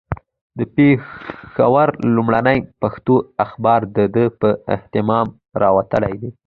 د پېښور لومړنی پښتو اخبار د ده په اهتمام راوتلی دی.